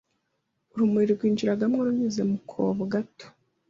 urumuri rwinjiragamo runyuze mu kobo gato